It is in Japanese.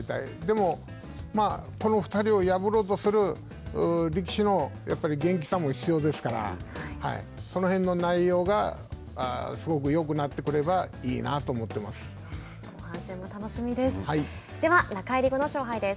でも、まあこの２人を破ろうとする力士の元気さも必要ですからその辺の内容がすごくよくなってくればいいなと思っています。